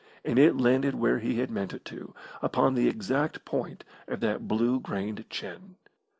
And it landed where he had meant it to upon the exact point of that blue grained chin.